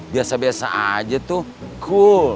biasa biasa aja tuh cool